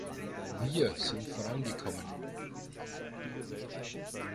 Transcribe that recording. Wir sind vorangekommen.